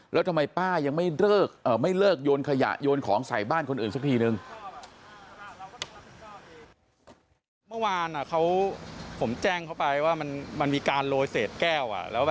แล้วทำไมป้ายังไม่มีเลิกยนต์ขยะยนต์ของใส่บ้านคนอื่นสักทีเมื่อวานผมแจ้งเขาไปว่ามีการโลยเศษแก้ว